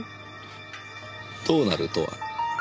どうなるとは？